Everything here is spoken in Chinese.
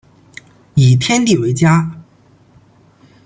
以天地为家